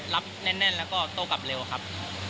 แน่นแล้วก็โต้กลับเร็วครับ